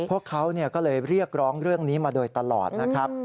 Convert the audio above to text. พวกเขาก็เลยเรียกร้องเรื่องนี้มาโดยตลอดนะครับ